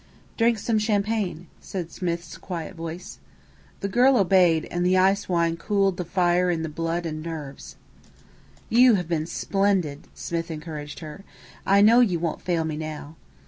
"Drink some champagne," said Smith's quiet voice. The girl obeyed, and the ice cold wine cooled the fire in blood and nerves. "You have been splendid," Smith encouraged her. "I know you won't fail me now."